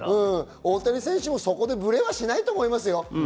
大谷選手もそこでブレはしないと思いますよ。